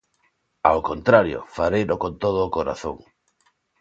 Ao contrario, fareino con todo o corazón.